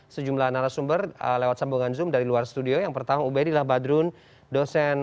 sejumlah narasumber lewat sambungan zoom dari luar studio yang pertama ubed adalah badrun dosen